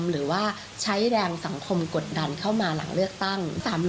หรือว่าใช้แรงสังคมกดดันเข้ามาหลังเลือกตั้ง